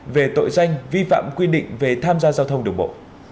về tội danh vi phạm quy định về tham gia giao thông đường bộ